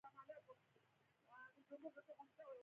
باد بې له اجازې راځي